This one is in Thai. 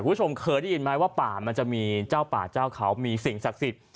คุณผู้ชมเคยได้ยินไหมว่าป่ามันจะมีเจ้าป่าเจ้าเขามีสิ่งศักดิ์สิทธิ์